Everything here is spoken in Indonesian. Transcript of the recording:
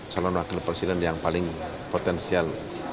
salah satu presiden yang paling potensial